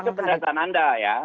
bukan itu pernyataan anda ya